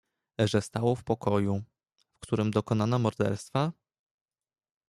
"Że stało w pokoju, w którem dokonano morderstwa?"